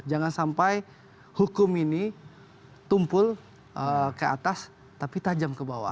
jangan sampai hukum ini tumpul ke atas tapi tajam ke bawah